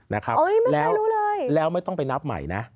ไม่ใครรู้เลยแล้วไม่ต้องไปนับใหม่น่ะ